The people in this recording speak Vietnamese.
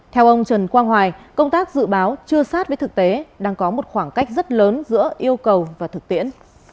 theo ông trần quang hoài công tác dự báo chưa sát với thực tế đang có một khoảng cách rất lớn giữa yêu cầu và thực tiễn